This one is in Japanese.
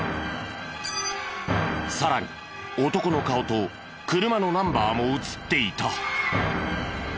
さらに男の顔と車のナンバーも映っていた。